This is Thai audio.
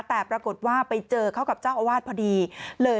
แต่ปรากฏว่าไปเจอเขากับเจ้าอาวาสพอดีเลย